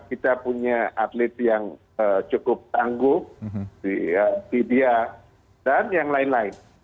kita punya atlet yang cukup tangguh di dia dan yang lain lain